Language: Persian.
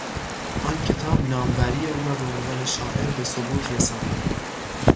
آن کتاب ناموری او را به عنوان شاعر به ثبوت رساند.